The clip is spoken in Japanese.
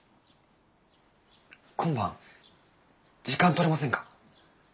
今晩時間とれませんか？